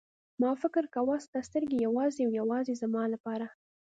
ما فکر کاوه ستا سترګې یوازې او یوازې زما لپاره.